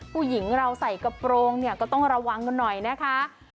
ผู้หญิงเราใส่กระโปรงเนี่ยก็ต้องระวังกันหน่อยนะคะ